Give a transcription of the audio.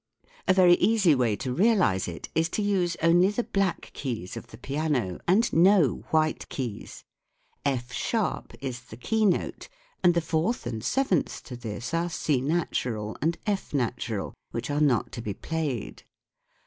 SOUND IN MUSIC 63 A very easy way to realise it is to use only the black keys of the piano and no white keys : F sharp is the keynote, and the fourth and seventh to this are C natural and F natural, which are not to be played.